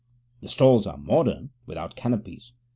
The stalls are modern, without canopies.